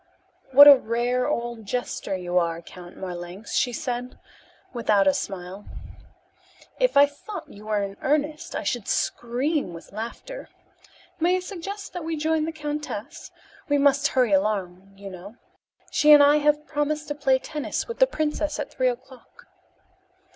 "What a rare old jester you are, Count Marlanx," she said without a smile. "If I thought you were in earnest I should scream with laughter. May I suggest that we join the countess? We must hurry along, you know. She and I have promised to play tennis with the princess at three o'clock."